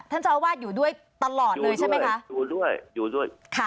เจ้าอาวาสอยู่ด้วยตลอดเลยใช่ไหมคะอยู่ด้วยอยู่ด้วยค่ะ